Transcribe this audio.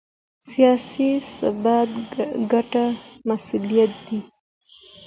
سیاسي ثبات ګډ مسوولیت دی